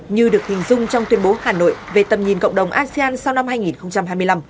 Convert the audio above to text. như được hình dung trong tuyên bố hà nội về tầm nhìn cộng đồng asean sau năm hai nghìn hai mươi năm